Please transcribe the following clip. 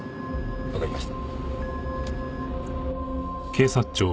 わかりました。